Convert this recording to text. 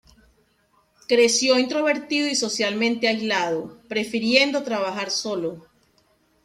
Creció introvertido y socialmente aislado, prefiriendo trabajar solo.